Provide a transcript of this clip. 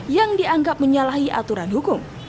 yang dianggap menyalahi aturan hukum